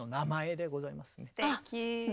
すてき。